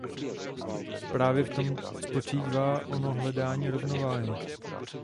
Právě v tom spočívá ono hledání rovnováhy.